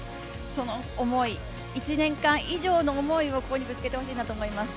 その思い、１年間以上の思いをここにぶつけてほしいなと思います。